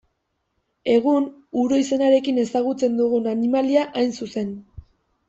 Egun uro izenarekin ezagutzen dugun animalia hain zuzen.